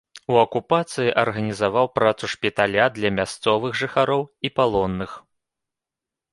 У акупацыі арганізаваў працу шпіталя для мясцовых жыхароў і палонных.